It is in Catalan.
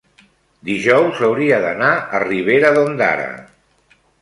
dijous hauria d'anar a Ribera d'Ondara.